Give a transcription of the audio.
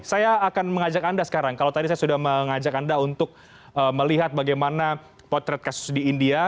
saya akan mengajak anda sekarang kalau tadi saya sudah mengajak anda untuk melihat bagaimana potret kasus di india